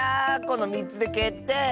この３つでけってい！